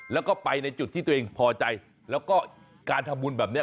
แล้วก็ไปในจุดที่ตัวเองพอใจแล้วก็การทำบุญแบบนี้